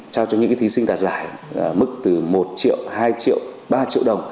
trao cho những thí sinh đạt giải mức từ một triệu hai triệu ba triệu đồng